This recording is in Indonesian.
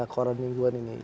koran mingguan ini